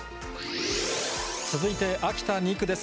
続いて秋田２区です。